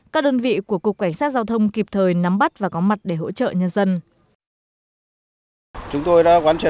các đơn vị của cục cảnh sát giao thông kịp thời nắm bắt và có mặt để hỗ trợ nhân dân